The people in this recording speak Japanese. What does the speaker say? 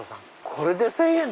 これで１０００円。